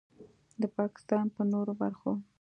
د پاکستان په نورو برخو